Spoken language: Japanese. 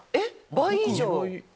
倍以上！